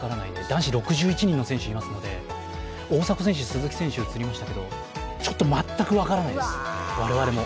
男子６１人の選手がいますので、大迫選手、鈴木選手、いましたけど全く分からないです、我々も。